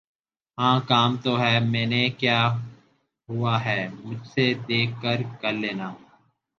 ہاں کام تو ہے۔۔۔ میں نے کیا ہوا ہے مجھ سے دیکھ کے کر لینا۔